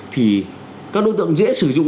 thì các đối tượng dễ sử dụng